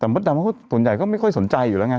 แต่มดดำส่วนใหญ่ก็ไม่ค่อยสนใจอยู่แล้วไง